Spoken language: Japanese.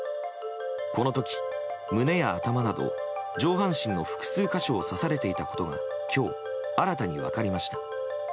この時、胸や頭など上半身の複数箇所を刺されていたことが今日、新たに分かりました。